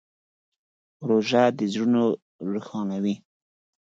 روژه د زړونو روښانوي.